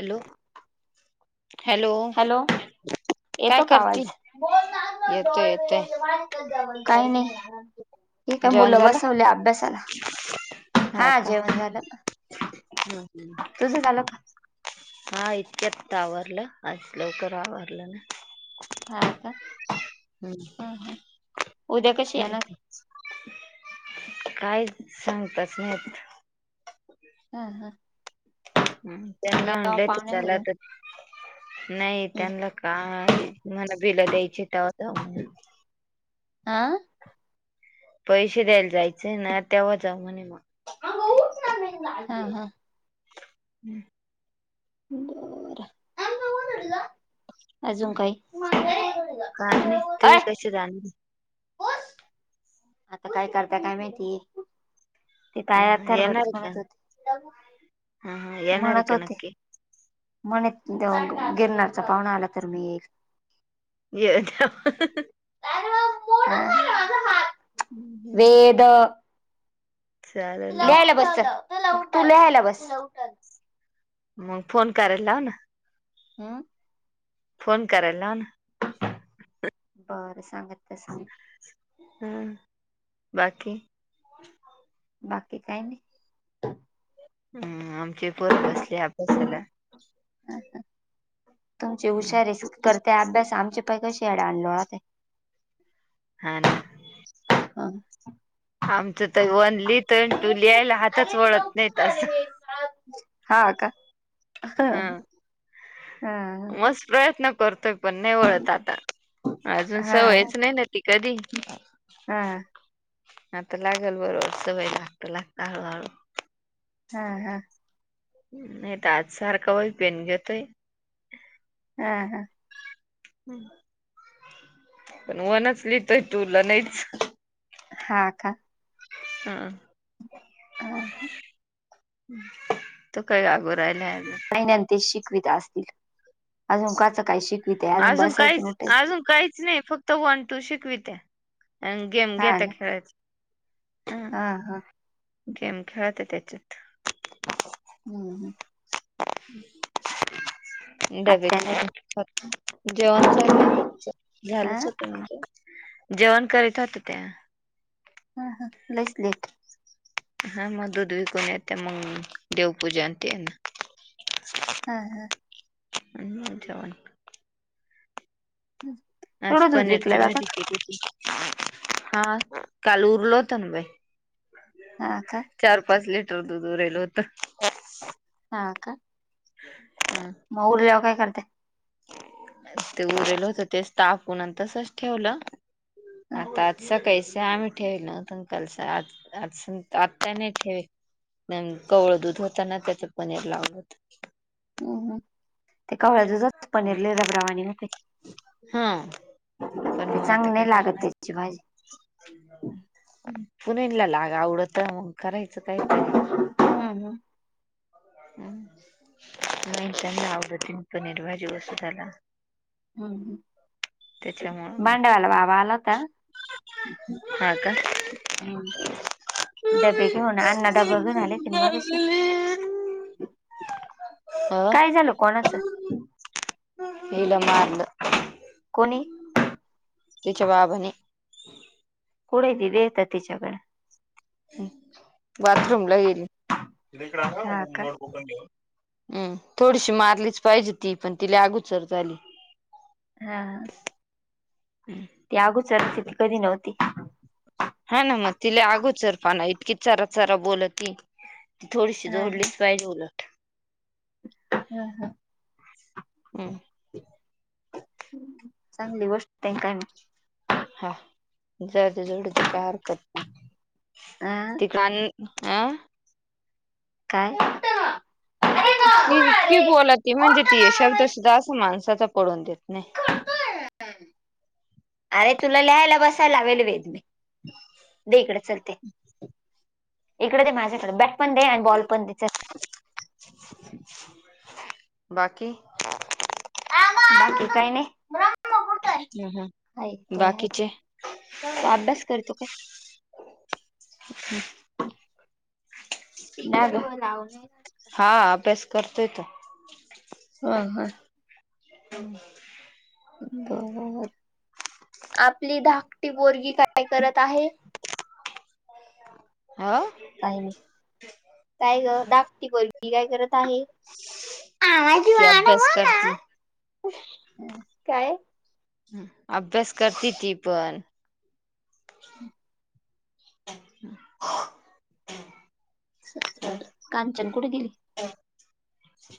Hello hello काय येतो का करती आवाज बोल ना येतोय येतोय डोळ्याबोल्यांच दवाखान्यात काय नाही. हे काय जेवण मुलं झालं बसवले अभ्यासाला हा जेवण झालं का हम्म हम्म तुझं झालं का? हा इतक्यात आवरलं आज लवकर आवरलं ना. हा का? हम्म हा हा - उद्या कशी येणार? काय सांगताच नाय येत. हां हां [unintelligible] त्यांना म्हणलं की चला त घेऊन नाही त्यांना काय मला बिला द्यायची तवा जाऊ म्हणे आ पैसे द्यायला जायचे ना तेव्हा जाऊ म्हणे माग [unintelligible] हम्म. [unintelligible] अजून काही काय नाही तुम्ही हय कसे जाणार आता काय करताय काय माहिती ते पाया ह तर बरच येणार का म्हणत होते. हा हा येणार आहे म्हणत का होते नक्की. म्हणे देऊ गिरणारचा पाहुणा आला तर मी येईल ये [unintelligible] हा वेद. चालेल मग लिहायला बसत तू लिहायला बस. मग फोन करायला लाव ना. हम्म. फोन करायला लाव ना. बरं सांगते सांग. ह बाकी. बाकी काहीनी. ह आमचे पोर बसले अभ्यासाला. हा तुमची हं हुशारी शूट करते अभ्यास आमचे पाय कशी अडाणी लोळते. हा ना. [unintelligible] आमचं त वन लिहित टू लिहायला हातच वळत नाहीत. असं हा का. हा हा मस प्रयत्न करतोय पण नाही वळत आता अजून हा सवयच नाही ना ती कधी हा. आता लागेल बरोब सवय लागत लागत हळू हळू चहा का नाही तर आज सारखं वही पेन घेतोय. हा का. पण वनच लीतय तुला नाहीच. हा का. हा. [unintelligible] महिनंत शिकविता असतील अजूनकाचं काही च काही शिक अजून काहीच अजून काहीच नाही फक्त वन टू शिकवित्या. आणि गेम हा घेता ना का खेळायला. हा हा. गेम खेळत त्याच्यात हम्म हम्म. [inaudible] [inaudible] डबे आत्या न त्या [unintelligible] जेवण चाललंय त्याचं हा झालंच होत म्हणजे जेवण करीतात होत्या त्या हा हा लईच लेट हा मग दूध विकून येते मग देवपूजनते ना ह ह. [inaudible] हा. आज तेवढं दूध विकलं पनीरची जातं भाजी का केली होती. हा काल उरलो होत ना बाई हा का [inaudible] चार- पाच लिटर दूध उरेल होत हा का. हम्, मग उरल्यावर काय करत्यात [inaudible] ते उरल होत तेच तापून तसच ठेवलं हं, आता आजसं काहीच ते आम्ही ठेवलतं कल आ आज आत्ताने [inaudible] ठेवेल कवळं दूध होताना त्याच पनीर लावत. [inaudible] हम्- हम ते कवळ्याच दुधाच पनीर लय रब्रावानी होतय ते हा पण ते मग आता चांगली काय नाही लागत करणार त्याची भाजी [inaudible] पुणेनला लाग आवडत मग करायचं काहीतरी हं, हं. [inaudible] हम् नाही आव तन पनीर भाजी वस्तू झाला. [inaudible] हम्म त्याच्यामुळं मग भांडवाला बाबा आला होता? हा का [inaudible] हम्म. डबे घेऊन अण्णा डबा घेऊन मंगासी [inaudible] [inaudible] अ काय झालं कोणाचं? [inaudible] हिला मारलं. कोणी? [inaudible] तिच्या बाबाने. [inaudible] कुठं ती देतात तिच्याकडं बाथरूम ला गेली. हा का [unintelligible] हम् थोडीशी मारलीच पाहिजे ती पण तिला अगोचर झाली. हा. ती अगूच लते ती कधी नव्हती हा ना मग तिला अगोचर पाना इतकी चारा चारा बोल ती ती थोडीशी जोडलीच पाहिजे उल [inaudible] हम हा. हम्म, [inaudible] चांगली गोष्ट ट का म हा [unintelligible] ज जवड त का हरकत नाही हा तिक आह. काय? [inaudible] ती की नको ना इतकी रे बोला ती म्हणजे ओटो ना ती शब्द मम्मी सुद्धा अस माणसाचा पडून देत नाही [inaudible] अरे तुला लिहायला बसायला लावल [inaudible] वेदम दे इकड [unintelligible] इकड ते माझ्याकडे ब बॅट पण दे आणि बॉल पण पन दे चल [inaudible] [unintelligible] बाकी. बाकी काय नाही. ह ह बाकीचे [unintelligible] त अभ्यास करतो काय? [unintelligible] ह, [unintelligible] हा अभ्यास करतोय त ह हा. [unintelligible] बर आपली धाकटी बोरगी काय करत आहे. [inaudible] आ! [inaudible] काही नाही काय ग डाकटी वर्गी काय करत आहे. [inaudible] आज ती आ अभ्यास ना करती काय [unintelligible] [inaudible] अभ्यास करती ती पण हम् [unintelligible] [unintelligible] [inaudible] कामचन कुठे गेली [unintelligible]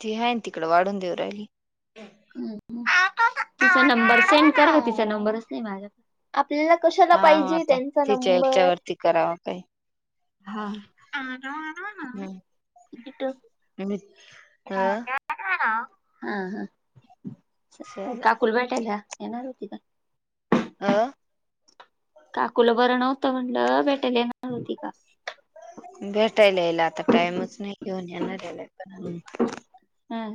ती आहे ना तिकड वाढून देऊ राहिली तिचा नंबर सेंड करा तिचा नंबरच नाही माझ्या आपल्याला कशाला हा पाहिजे आता त्यांचा तिच्या नंबर याच्यावरती करावा काही हा आन आन हम्म नाट मी अ हा ह चल काकुल भेटायला येणार होती का आह काकूला बरं नव्हतं म्हणलं भेटायलीणार होती का भेटायला यायला आता टाइमच नाही घेऊन येणार याला पण हम्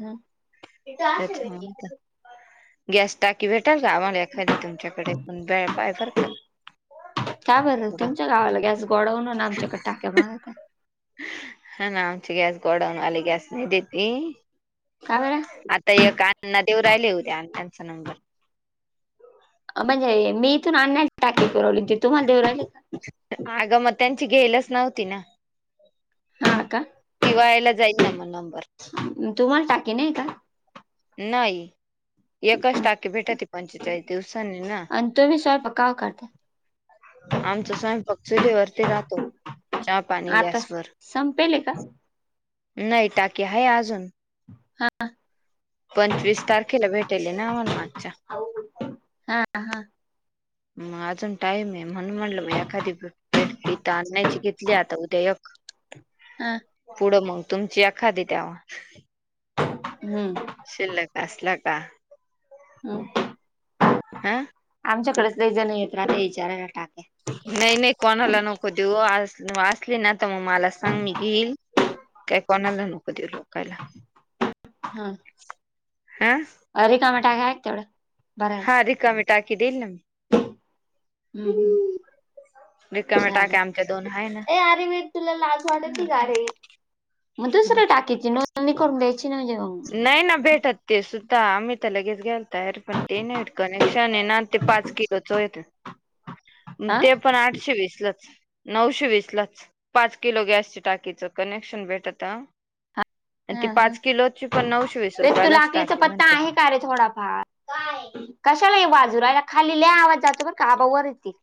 हम [unintelligible] [inaudible] अच्छा गॅस टा [unintelligible] [inaudible] की भेटाल का आम्हाला एखादी तुमच्याकडे बेळ पाय फरक [unintelligible] काय बर तुमच्या गावाला गॅस गोडवून ना आमच्याकडे टाक्या मारत [inaudible] हा [unintelligible] ना आमचे गॅस गोडवूनवाले गॅस नाही देेत का बरं? आता एक का अण्णा देऊ राहिले उद्या अ्णांचा नंबर म्हणजे मी इथून आणण्याची टाके पुवली ती तुम्हाला देऊ राहिली आगं मग त्यांची घेयलच नव्हती ना हा का ती वायाला जाईल ना मग नंबर तुम्हाला टाकीे नाही का नाही एककाच टाकीे भेटा त पंचेचाळीस दिवसानी ना का [unintelligible] [inaudible] आमचा स्वयं पक्चुली वरती राहतो चहा पाणी आता गॅसवरर संपेल का [unintelligible] नाही टाकीे आहे अजून हा [unintelligible] पंचवीस तारखेला भेटेले ना अम्हाला मागच्या हा हा [unintelligible] मग अजून टाईम आहे म्हणून म्हणलं मग एखादी भेटथ आणायची घेतली आता उद्या एक हा पुढं मग तुमची एखादी दवा हम्म [unintelligible] शिल्लक असला का [unintelligible] हो [unintelligible] [unintelligible] [unintelligible] [unintelligible] हम आमच्याकडेच लई जण येतात विचाराला टाके नाही नाही कोणाला नको देऊ आसली ना तर मग मला सांग मी घेईल काय कोणाला नको देऊ लोकाला. अ रिकामी टाकी हाय का हा रिकामि टाकी देईल ना हम् रिकाम्या चालेल टाक्या आमच्या दोन आहे ना ए अरे मी तुला लाज वाटत नही का रे मग दुसऱ्या टाकीची नोंदणी करून द्यायची ना म्हणजे मग नाही ना भेटत ते सु आम्ही तर लगेच ग्यायल तयर पण ते नाही कनेक्शन आहे ना ते पाच किलोचं येत हा ते पण आठशे वीसलाच नऊशे वीस लाच पाच किलो गॅस टाकीच कनेक्शन भेटत आणि ती हा पाच किलोची पण नऊशे वीस वेद तूला रुपयालाच आकलीचा टाकी पत्ता म्हणते आहे का रे थोडाफार काय कशाला [unintelligible] खाली लई आवाज जातो बरं का आबा वर येतील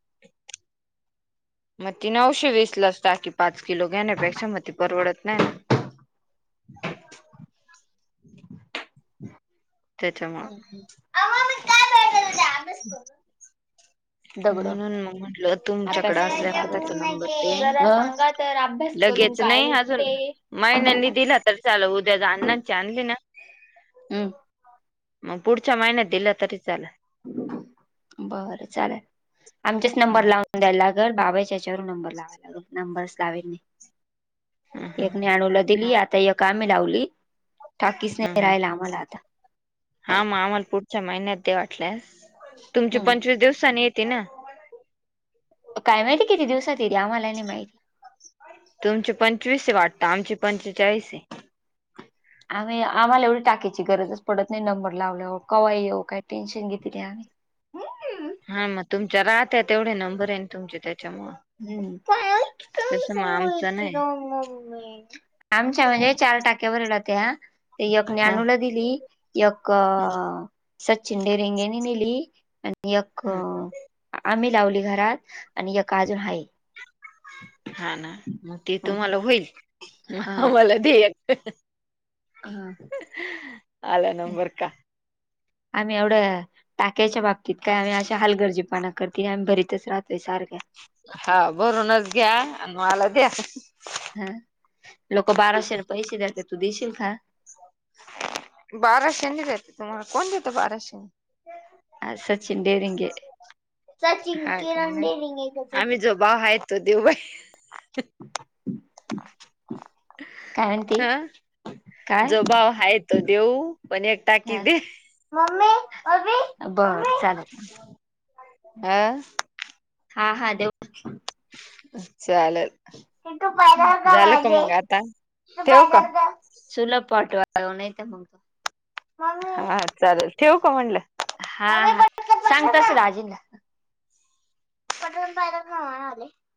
मग ती नऊशे वीस लाच टाकी पाच किलो घेण्यापेक्षा मग ती परवडत नाही ना [unintelligible] [inaudible] [inaudible] ह ह [unintelligible] म्हणून मग म्हटलं अभ्यास तुमच्याकड करून असल्या काय एखादा नंबर दे भेटत जरा अ? सांगा तर अभ्यास ल करून घेच काय नाही अजून भेटते? महिन्यांनी दिला तर चाल उद्या अण्णाची आणली ना हम मग पुढच्या महिन्यात दिलं तरी चाल बरं चालेल आमचेच नंबर लावून द्यायलागल बाबाच्याच्यावरून नंबर लावायला लाग नंबरच लावीन ह नाही एक ज्ञानु ला दिली आता एक आम्ही लावली ठाकीसने रायला आम्हाला आता च्या महिन्यात द्या वाटल्यास तुमची हम्म पंचवीस दिवसानी येते ना काय माहिती किती दिवसात येते आम्हाला नाही माहिती. तुमची पंचवीस वाटत आमची पंचेचाळीस य आम्ही आम्हाला एवढी टाकीची गरजच पडत नाही नंबर लावल्यावर कवाई येऊ काय टेन्शन घेतली नाही आम्ही [unintelligible] हा मग तुमच्या राहत तेवढे नंबर आहे न तुमचे त्या हम काय तसं मग आमचं नाही [unintelligible] आमच्या म्हणजे [unintelligible] त्य एक हा ज्ञानूला दिली एक हा सचिन डेरिंगेने नेली आणि एक हा अमित - लावली घरात आणि एक अजून हाय हा ना मग ते हा तुम्हाला होईल मग आम्हाला दे एक हा. आला नंबर का आम्ही एवढं टाक्याच्या बाबतीत काय आम्ही अशा हालगर्जीपणा करत आम्ही भरीतच राहतोय सारख्या हा भरूनच घ्या आणि मला द्या हा लोक बाराशे र पैसे द्याात तू देशील का बाराशेने देते तुम्हाला कोण देतो बाराशेनी ह सचिन डेरींगे सचिन हा किरण डेरंगे का सचिन त देऊ बाई [inaudible] काय हा म्हंतीस जो भाव हा तो देऊ पण एक टाकी दे [unintelligible] अ बर चालेल आ हा हा देऊ [inaudible] हे तू झालं पगार का मग [unintelligible] आता तू ठेव का पगार [unintelligible] सुलभ पाठवा आल नाही ते मगतो. हा चालेल ठेवू का म्हंटलं. हा हा सांग तसं दाजींना. [unintelligible]